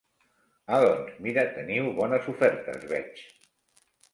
Ah doncs mira teniu bones ofertes veig.